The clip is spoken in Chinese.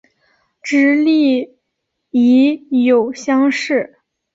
直隶乙酉乡试。